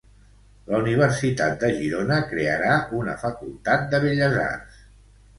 La Universitat de Girona crearà una facultat de Belles Arts.